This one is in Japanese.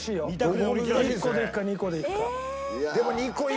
１個でいくか２個でいくか。